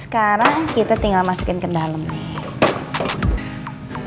sekarang kita tinggal masukin ke dalam nih